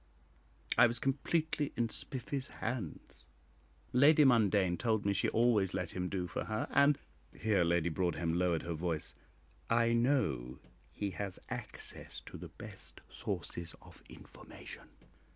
I was completely in Spiffy's hands; Lady Mundane told me she always let him do for her, and" here Lady Broadhem lowered her voice "I know he has access to the best sources of information.